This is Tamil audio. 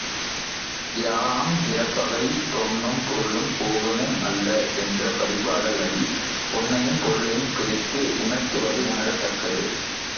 யாஅம் இரப்பவை பொன்னும் பொருளும் போகமும் அல்ல என்ற பரிபாடல் அடி பொன்னையும் பொருளையும் பிரித்து உணர்த்துவது உணரத்தக்கது.